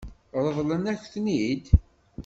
Ṛeḍlent-ak-ten-id?